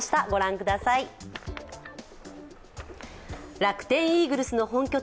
楽天イーグルスの本拠地